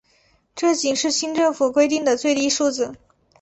这仅是清政府规定的最低数字。